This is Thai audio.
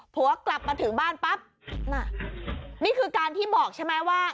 ผัวกลับมาถึงบ้านปั๊บน่ะนี่คือการที่บอกใช่ไหมว่า